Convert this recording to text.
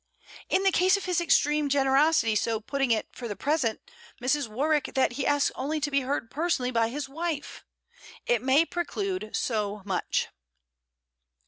'In the case of his extreme generosity so putting it, for the present, Mrs. Warwick, that he asks only to be heard personally by his wife! It may preclude so much.'